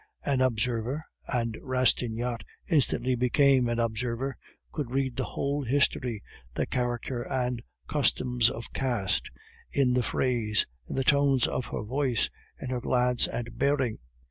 An observer, and Rastignac instantly became an observer, could read the whole history, the character and customs of caste, in the phrase, in the tones of her voice, in her glance and bearing.